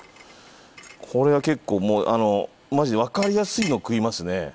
これは結構もうマジでわかりやすいのを食いますね。